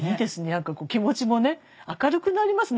何かこう気持ちもね明るくなりますね